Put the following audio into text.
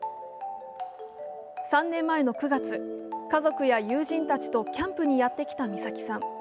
３年前の９月、家族や友人たちとキャンプにやってきた美咲さん。